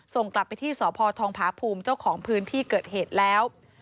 ส่งกลับไปที่สพทองผาภูมิเจ้าของพื้นที่เกิดเหตุแล้ว